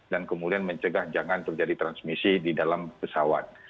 kemudian mencegah jangan terjadi transmisi di dalam pesawat